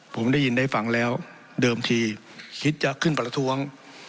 ผมได้ยินได้ฟังแล้วเดิมทีคิดจะขึ้นประท้วง